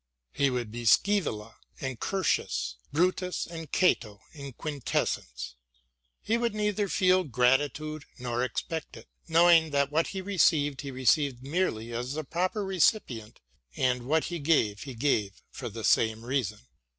He would be Scsevola and Curtius, Brutus and Cato in quintessence. He would neither feel gratitude nor expect it, know ing that what he received he received merely as the proper recipient, and what he gave he gave for the same reason.